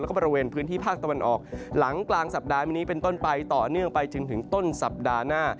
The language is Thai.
แล้วก็บริเวณพื้นที่ภาคตะวันออกหลังกลางสัปดาห์นี้เป็นต้นไปต่อเนื่องไปจนถึงต้นสัปดาห์หน้า